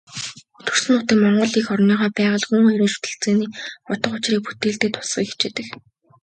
Төрсөн нутаг, Монгол эх орныхоо байгаль, хүн хоёрын шүтэлцээний утга учрыг бүтээлдээ тусгахыг хичээдэг.